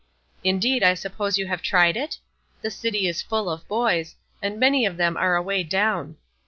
Indeed, I suppose you have tried it? The city is full of boys, and many of them are away down.